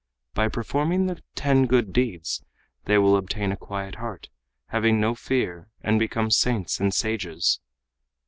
By performing the ten good deeds they will obtain a quiet heart, having no fear, and become saints and sages.